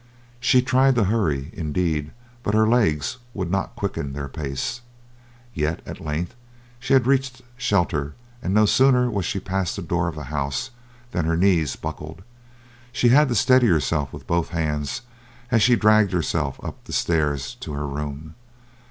She tried to hurry, indeed, but her legs would not quicken their pace. Yet at length she had reached shelter and no sooner was she past the door of the house than her knees buckled; she had to steady herself with both hands as she dragged herself up the stairs to her room.